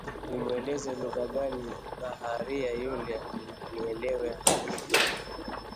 Nimueleze lugha gani baharia yule anielewe? Haipo